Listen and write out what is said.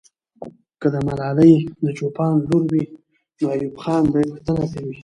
که ملالۍ د چوپان لور وي، نو ایوب خان به یې پوښتنه کوي.